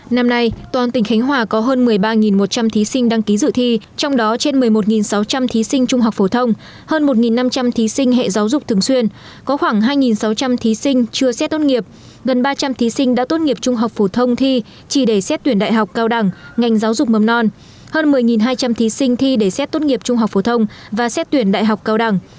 năm nay toàn tỉnh khánh hòa có hơn một mươi ba một trăm linh thí sinh đăng ký dự thi trong đó trên một mươi một sáu trăm linh thí sinh trung học phổ thông hơn một năm trăm linh thí sinh hệ giáo dục thường xuyên có khoảng hai sáu trăm linh thí sinh chưa xét tốt nghiệp gần ba trăm linh thí sinh đã tốt nghiệp trung học phổ thông thi chỉ để xét tuyển đại học cao đẳng ngành giáo dục mầm non hơn một mươi hai trăm linh thí sinh thi để xét tốt nghiệp trung học phổ thông và xét tuyển đại học cao đẳng